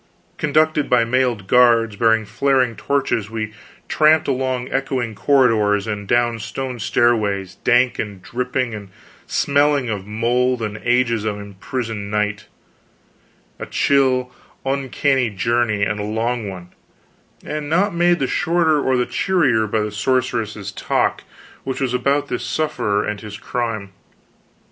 Conducted by mailed guards bearing flaring torches, we tramped along echoing corridors, and down stone stairways dank and dripping, and smelling of mould and ages of imprisoned night a chill, uncanny journey and a long one, and not made the shorter or the cheerier by the sorceress's talk, which was about this sufferer and his crime.